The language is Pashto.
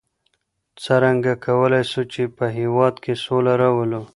څرنګه کولای سو چي په هېواد کي سوله راولو؟